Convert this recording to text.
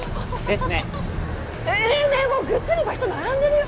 えっ